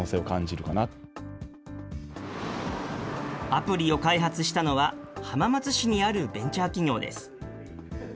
アプリを開発したのは、浜松市にあるベンチャー企業です。